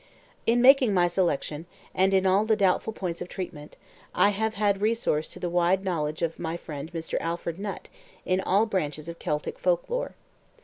In making my selection, and in all doubtful points of treatment, I have had resource to the wide knowledge of my friend Mr. Alfred Nutt in all branches of Celtic folk lore.